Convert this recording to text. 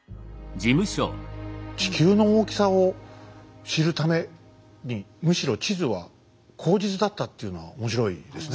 地球の大きさを知るためにむしろ地図は口実だったっていうのは面白いですね。